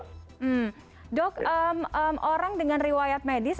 hmm dok orang dengan riwayat medis